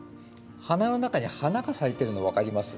花の中に花が咲いてるの分かります？